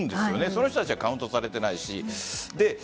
その人たちはカウントされていないし。